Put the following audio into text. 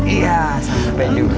iya sampai juga alhamdulillah